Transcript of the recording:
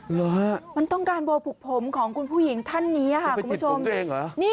เหรอครับมันต้องการโบปลูกผมของคุณผู้หญิงท่านนี้ค่ะคุณผู้ชมมันไปติดผมตัวเองหรือ